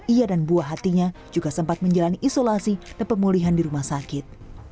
ia dan buah hatinya juga sempat menjalani isolasi dan pemulihan di rumah sakit